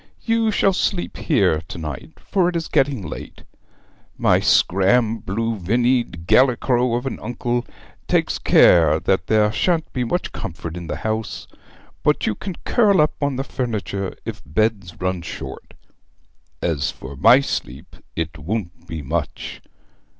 You shall sleep here to night, for it is getting late. My scram blue vinnied gallicrow of an uncle takes care that there shan't be much comfort in the house, but you can curl up on the furniture if beds run short. As for my sleep, it won't be much.